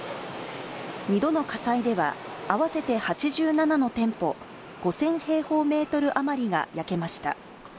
２度の火災では、合わせて８７の店舗、５０００平方メートル余りが焼けました。